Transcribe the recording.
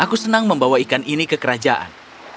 aku senang membawa ikan ini ke kerajaan